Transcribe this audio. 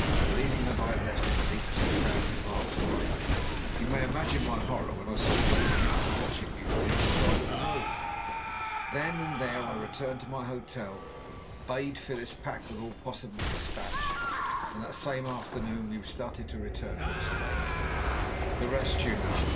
Believing that I had left him at least ten thousand miles away, you may imagine my horror when I saw Dr. Nikola watching me from the other side of the road. Then and there I returned to my hotel, bade Phyllis pack with all possible despatch, and that same afternoon we started to return to Australia. The rest you know.